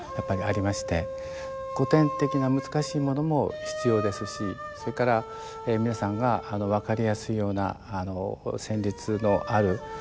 古典的な難しいものも必要ですしそれから皆さんが分かりやすいような旋律のある曲も大事だと。